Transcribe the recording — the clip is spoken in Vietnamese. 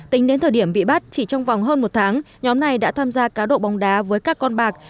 tính đến thời điểm bị bắt chỉ trong vòng hơn một tháng nhóm này đã tham gia cá độ bóng đá với các con bạc